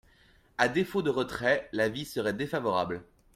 À défaut de retrait, l’avis serait défavorable.